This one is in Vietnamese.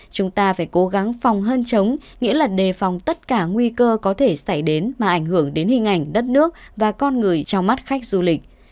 chúng ta phải cố gắng phòng hơn chống nghĩa là đề phòng tất cả nguy cơ có thể xảy đến mà ảnh hưởng đến hình ảnh đất nước và con người trong mắt khách du lịch